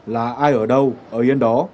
là ai ở đâu ở yên đó